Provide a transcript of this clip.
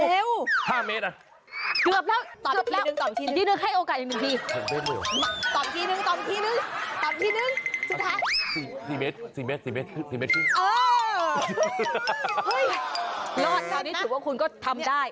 เกือบแล้วตอบทีนึงตอบทีนึงตอบทีนึงตอบทีนึงตอบทีนึงตอบทีนึงสุดท้าย